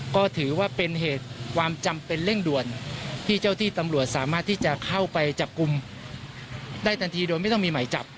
ก็ถือว่าเป็นเหตุความจำเป็นเร่งด่วนที่เจ้าที่ตำรวจสามารถที่จะเข้าไปจับกลุ่มได้ทันทีโดยไม่ต้องมีหมายจับ